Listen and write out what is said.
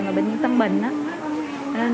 mà bệnh viện tân bình